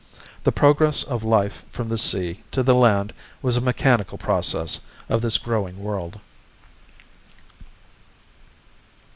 The progress of life from the sea to the land was a mechanical process of this growing world.